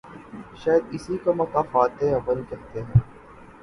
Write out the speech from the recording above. شاید اسی کو مکافات عمل کہتے ہیں۔